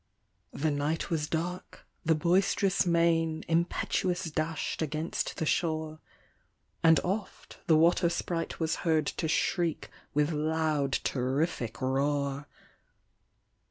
The night was dark, the boist'rous main Impetuous dash'd against the shore ; And oft the water sprite was heard To shriek with loud terrific roar